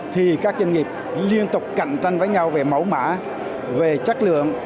thì các doanh nghiệp liên tục cạnh tranh với nhau về mẫu mã về chất lượng